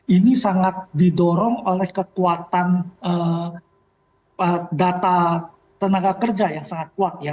ini sangat didorong oleh kekuatan data tenaga kerja yang sangat kuat ya